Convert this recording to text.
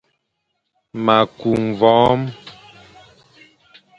Ma ku mvoom,